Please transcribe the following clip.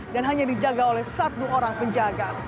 dan hanya dijaga oleh satu orang penjaga